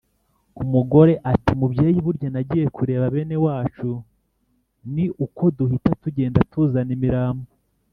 Umugore Ati: "Mubyeyi, burya nagiye kureba bene wacu, ni uko duhita tugenda tuzana imirambo